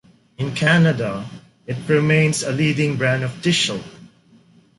In Canada, it remains a leading brand of dish soap.